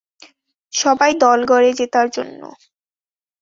সবাই দল গড়ে জেতার জন্য।